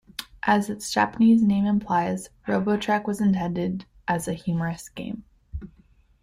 As its Japanese name implies, Robotrek was intended as a humorous game.